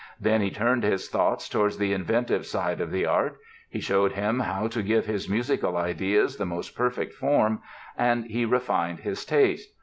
Then he turned his thoughts towards the inventive side of the art; he showed him how to give his musical ideas the most perfect form, and he refined his taste.